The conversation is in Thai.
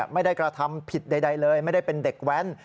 ไม่ได้กระทำผิดใดเลยไม่ได้เป็นเด็กแว้น